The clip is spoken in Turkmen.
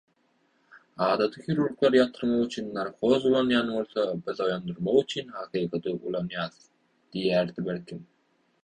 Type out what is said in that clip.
Adaty hirurglar ýatyrmak üçin narkoz ulanýan bolsa biz oýandyrmak üçin hakykaty ulanýas diýerdi belkem.